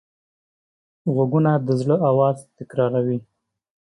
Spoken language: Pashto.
غوږونه د زړه آواز تکراروي